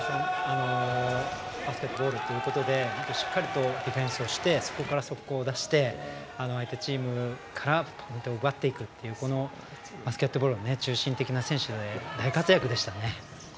バスケットボールということでしっかりとディフェンスをしてそこから速攻を出して相手チームから奪っていくというバスケットボールの中心的な選手で大活躍でしたね。